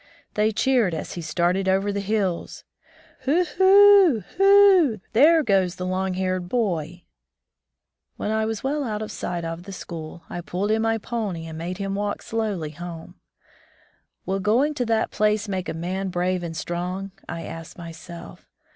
They cheered as he started over the hills : "Hoo oo ! hoo oo ! there goes the long haired boy !*' 23 Front the Deep Woods to Civilization When I was well out of sight of the school, I pulled in my pony and made him walk slowly home. ^^Will going to that place make a man brave and strong?" I asked myself.